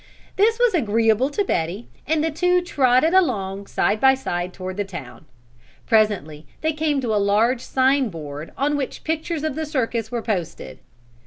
This was agreeable to Betty and the two trotted along side by side toward the town. Presently they came to a large sign board on which pictures of the circus were posted.